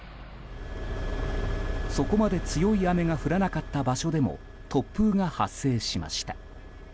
そこまで強い雨が降らなかった場所でも突風が発生しました。